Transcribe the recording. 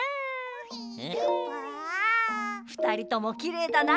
ふたりともきれいだな！